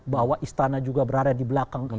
bahwa istana juga berada di belakang